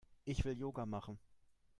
Ich will Yoga machen.